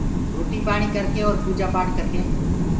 روٽيٚ پاڻيٚ ڪر ڪي اور پوٚجا پاٽ ڪر ڪي۔